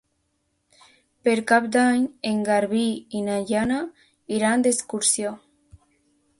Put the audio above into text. Per Cap d'Any en Garbí i na Jana iran d'excursió.